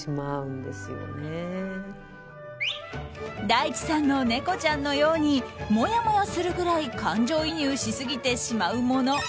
大地さんの猫ちゃんのようにもやもやするぐらい感情移入しすぎてしまうもの